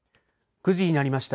９時になりました。